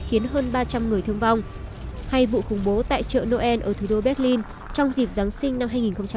khiến hơn ba trăm linh người thương vong hay vụ khủng bố tại chợ noel ở thủ đô berlin trong dịp giáng sinh năm hai nghìn một mươi chín